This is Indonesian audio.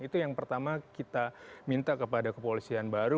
itu yang pertama kita minta kepada kepolisian baru